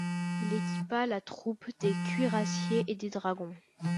Il équipa la troupe des cuirassiers et des dragons.